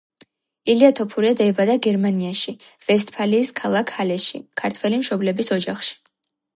ილია თოფურია დაიბადა გერმანიაში, ვესტფალიის ქალაქ ჰალეში, ქართველი მშობლების ოჯახში.